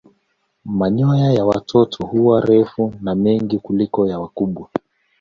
Manyoya ya watoto huwa marefu na mengi kuliko ya wakubwa.